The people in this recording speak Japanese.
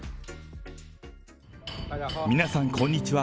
皆さん、こんにちは。